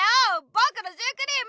ぼくのシュークリーム！